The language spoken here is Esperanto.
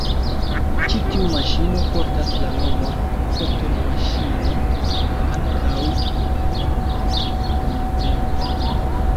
Ĉi tiu maŝino portas la nomon “cotton-maŝino” ankaŭ nuntempe.